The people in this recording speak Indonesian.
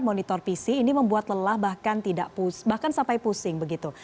monitor pc ini membuat lelah bahkan sampai pusing begitu